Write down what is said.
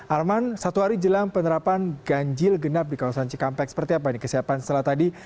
arman satu hari jelang penerapan ganjil genap di kawasan cikampek seperti apa ini kesiapan setelah tadi